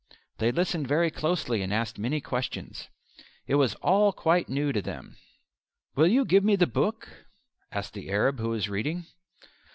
They listened very closely and asked many questions. It was all quite new to them. "Will you give me the book?" asked the Arab who was reading.